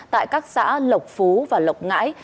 tại các xã lộc phú và lộc ngãi